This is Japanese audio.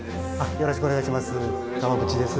よろしくお願いします